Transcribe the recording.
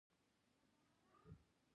د ډنمارک مرکز د کوپنهاګن ښار دی